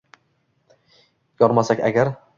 Yonmasak agar, —